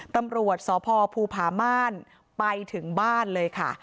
ตำรวจสพภูผาม่านไปถึงบ้านเลยค่ะ